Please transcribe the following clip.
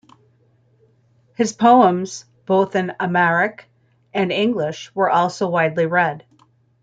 His poems, both in Amharic and English, were also widely read.